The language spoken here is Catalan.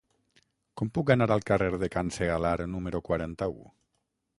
Com puc anar al carrer de Can Segalar número quaranta-u?